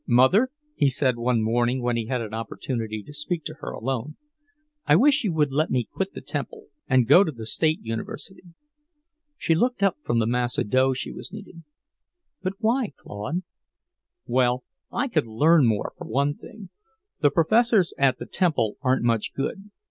"Mother," he said one morning when he had an opportunity to speak to her alone, "I wish you would let me quit the Temple, and go to the State University." She looked up from the mass of dough she was kneading. "But why, Claude?" "Well, I could learn more, for one thing. The professors at the Temple aren't much good.